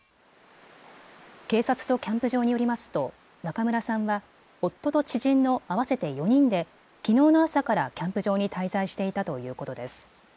警察とキャンプ場によりますと中村さんは夫と知人の合わせて４人できのうの朝からキャンプ場に滞在していたということです。